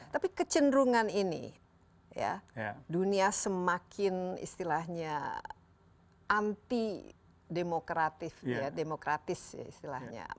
tapi kecenderungan ini dunia semakin istilahnya anti demokratis istilahnya